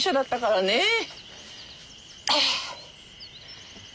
ああ！